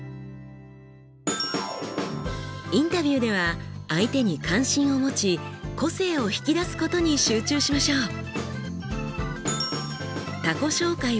インタビューでは相手に関心を持ち個性を引き出すことに集中しましょう。